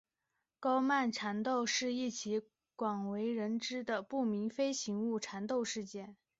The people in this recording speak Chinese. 高曼缠斗是一起广为人知的不明飞行物缠斗事件。